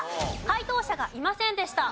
解答者がいませんでした。